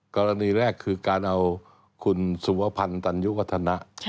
กรณีแรกคือการเอาคุณสุวพันธ์ตันยุวัฒนะ